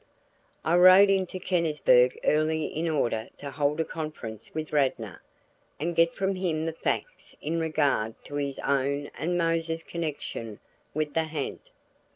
I rode into Kennisburg early in order to hold a conference with Radnor, and get from him the facts in regard to his own and Mose's connection with the ha'nt.